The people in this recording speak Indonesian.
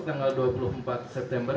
tanggal dua puluh empat september